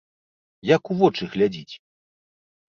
Як у вочы глядзіць?